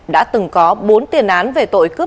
đã từng có bốn tiền án về tội cướp